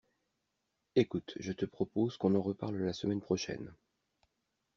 Écoute, je te propose qu'on en reparle la semaine prochaine.